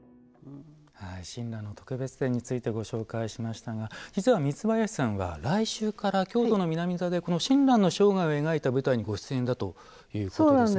親鸞の特別展についてご紹介しましたが実は三林さんは来週から京都の南座でこの親鸞の生涯を描いた舞台にご出演だということですね。